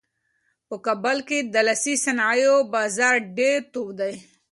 په کابل کې د لاسي صنایعو بازار ډېر تود دی.